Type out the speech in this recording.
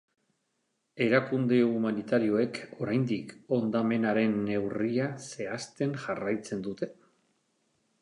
Erakunde humanitarioek oraindik hondamenaren neurria zehazten jarraitzen dute.